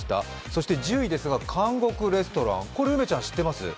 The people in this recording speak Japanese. そして１０位ですが監獄レストランこれ梅ちゃん知ってます？